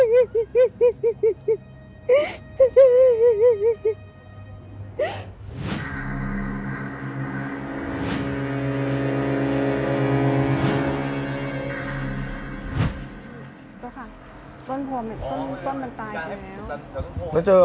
ต้นต้นมันตายจริงแล้ว